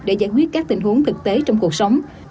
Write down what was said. để giải quyết các tình huống thực tế trong cuộc sống